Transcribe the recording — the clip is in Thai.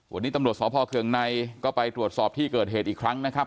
วันนี้ตำรวจสพเคืองในก็ไปตรวจสอบที่เกิดเหตุอีกครั้งนะครับ